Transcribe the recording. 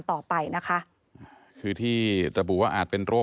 พ่อพูดว่าพ่อพูดว่าพ่อพูดว่าพ่อพูดว่า